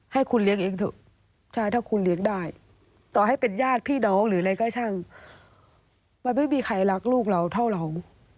ให้คุณเลี้ยงเองเถอะใช่ถ้าคุณเลี้ยงได้ต่อให้เป็นญาติพี่น้องหรืออะไรก็ช่างมันไม่มีใครรักลูกเราเท่าเรา